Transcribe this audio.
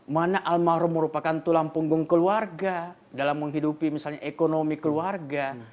mana almarhum merupakan tulang punggung keluarga dalam menghidupi misalnya ekonomi keluarga